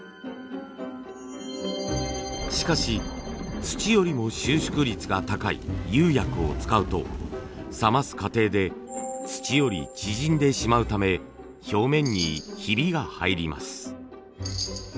しかし土よりも収縮率が高い釉薬を使うと冷ます過程で土より縮んでしまうため表面にヒビが入ります。